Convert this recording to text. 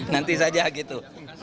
nanti saja gitu